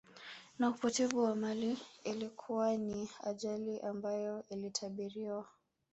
Na upotevu wa mali Ilikuwa ni ajali ambayo ilitabiriwa